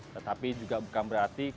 tetapi juga bukan berarti